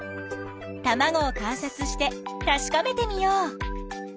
たまごを観察してたしかめてみよう。